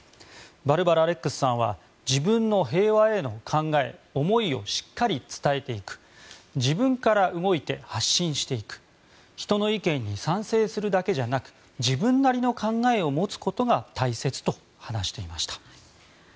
バルバラ・アレックスさんは自分の平和への考え、思いをしっかり伝えていく自分から動いて発信していく人の意見に賛成するだけじゃなく自分なりの考えを持つことが大切と話していました。